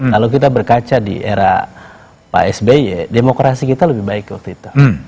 kalau kita berkaca di era pak sby demokrasi kita lebih baik waktu itu